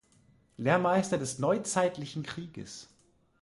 Lehrmeister des neuzeitlichen Krieges“.